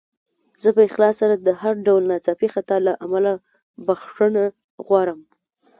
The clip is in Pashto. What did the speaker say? زه په اخلاص سره د هر ډول ناڅاپي خطا له امله بخښنه غواړم.